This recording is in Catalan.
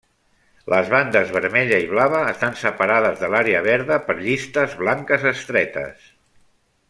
Les bandes vermella i blava estan separades de l'àrea verda per llistes blanques estretes.